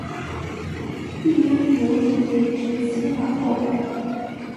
育婴留职停薪期满后